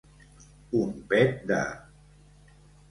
Un pet de.